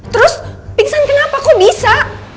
terus pingsan kenapa kok bisa